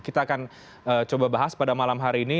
kita akan coba bahas pada malam hari ini